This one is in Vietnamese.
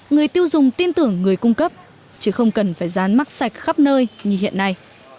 người tiêu dùng tin tưởng người cung cấp chứ không cần phải dán mắc sạch khắp nơi như hiện nay